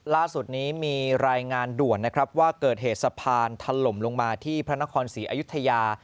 ล่าสุดนี้มีรายงานด่วนนะครับว่าเกิดเหตุสะพานถล่มลงมาที่พระนครศรีอยุธยา